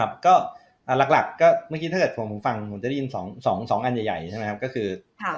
กับก็หลักก็มันกินเท่าไหร่ผมฟังเป็นที่๒๒นัยใหญ่นะครับก็คือ